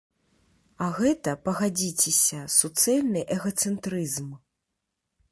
А гэта, пагадзіцеся, суцэльны эгацэнтрызм.